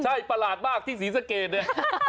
ใช่ประหลาดมากที่ศรีสะเกดเนี่ย